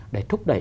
để thúc đẩy